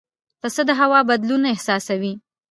پسه د هوا بدلون احساسوي.